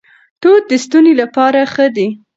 توت د ستوني لپاره ښه دي.